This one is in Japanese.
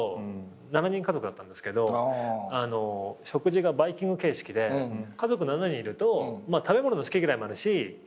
７人家族だったんですけど食事がバイキング形式で家族７人いると食べ物の好き嫌いもあるし人の好き嫌いもある。